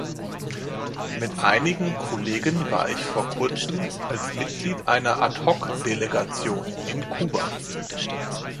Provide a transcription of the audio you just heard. Mit einigen Kollegen war ich vor kurzem als Mitglied einer Ad-hoc-Delegation in Kuba.